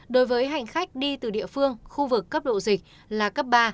đối với hành khách đi từ địa phương khu vực cấp độ dịch là cấp ba